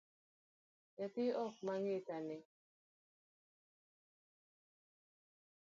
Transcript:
Nyathi ok ma ngeta ne